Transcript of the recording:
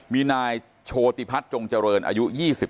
มีนายโชติพัฒน์จงเจริญอายุ๒๓